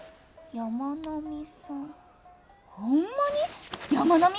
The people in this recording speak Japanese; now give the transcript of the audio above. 山南さんが？